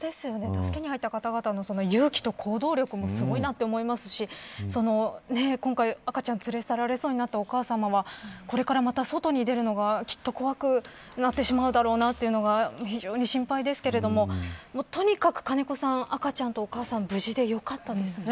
助けに入った方々の勇気と行動力もすごいなと思いますし今回、赤ちゃん連れ去られそうになったお母さまはこれからまた、外に出るのがきっと怖くなってしまうだろうなというのが心配ですけれどもとにかく赤ちゃんとお母さんが無事で、よかったですね。